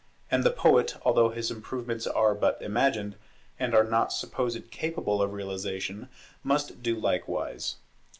And the poet, although his improvements are but imagined, and are not supposed capable of realization, must do likewise.